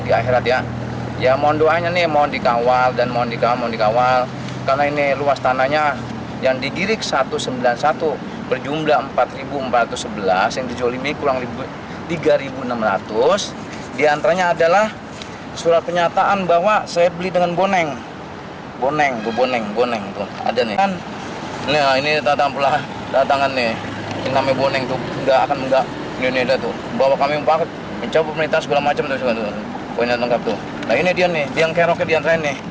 bribka madi berharap konfrontasi ini bisa membuat kasus tersebut menjadi terang benerang